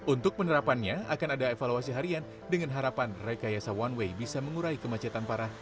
untuk penerapannya akan ada evaluasi harian dengan harapan rekayasa one way bisa mengurai kemacetan parah